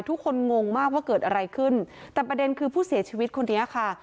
งงมากว่าเกิดอะไรขึ้นแต่ประเด็นคือผู้เสียชีวิตคนนี้ค่ะ